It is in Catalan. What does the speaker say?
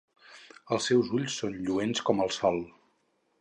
Els seus ulls són lluents com el sol.